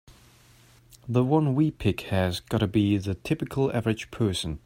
The one we pick has gotta be the typical average person.